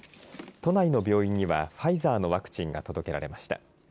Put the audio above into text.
都内の病院にはファイザーのワクチンが届けられました。